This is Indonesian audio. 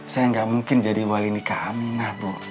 saya nggak mungkin jadi wali nikah aminah bu